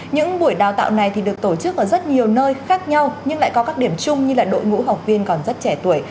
những buổi đào tạo này được tổ chức ở rất nhiều nơi khác nhau nhưng lại có các điểm chung như đội ngũ học viên còn rất trẻ tuổi